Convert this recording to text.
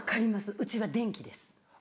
うちは電気です。